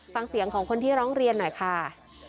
ฟังเสียงของคนที่ร้องเรียนหน่อยค่ะ